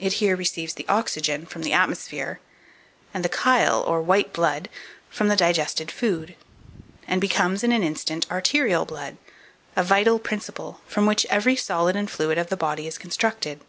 It here receives the oxygen from the atmosphere, and the chyle, or white blood, from the digested food, and becomes, in an instant, arterial blood, a vital principle, from which every solid and fluid of the body is constructed.